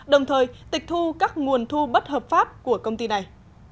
đồng thời tịch thu các nguồn thu bất hợp pháp của công ty này